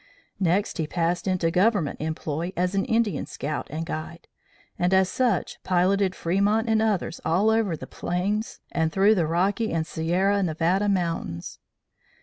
Next he passed into Government employ, as an Indian scout and guide, and as such piloted Fremont and others all over the Plains and through the Rocky and Sierra Nevada Mountains.